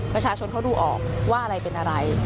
ประชาชนเขาดูออกว่าอะไรเป็นอะไร